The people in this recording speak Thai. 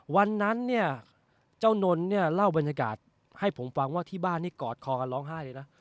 วันนั้นเนี่ยเจ้านนท์เนี่ยเล่าบรรยากาศให้ผมฟังว่าที่บ้านนี่กอดคอกันร้องไห้เลยนะ